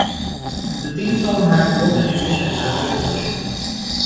The theme song had both an English and Mandarin version.